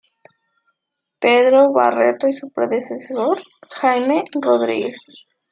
Pedro Barreto y su predecesor Jaime Rodríguez.